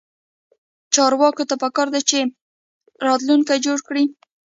چارواکو ته پکار ده چې، راتلونکی جوړ کړي